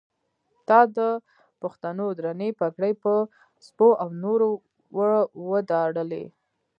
تا د پښتنو درنې پګړۍ په سپو او نورو وداړلې.